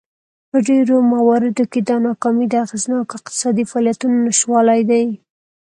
په ډېرو مواردو کې دا ناکامي د اغېزناکو اقتصادي فعالیتونو نشتوالی دی.